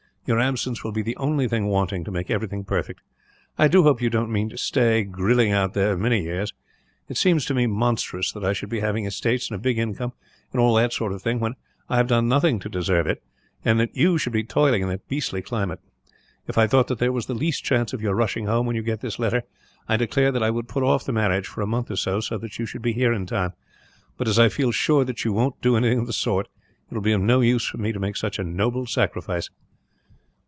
Your absence will be the only thing wanting, to make everything perfect. I do hope you don't mean to stay, grilling out there, many years. It seems to me monstrous that I should be having estates and a big income, and all that sort of thing, when I have done nothing to deserve it; and that you should be toiling in that beastly climate. If I thought that there was the least chance of your rushing home, when you get this letter, I declare that I would put off the marriage for a month or so, so that you should be here in time; but as I feel sure that you won't do anything of the sort, it will be of no use for me to make such a noble sacrifice."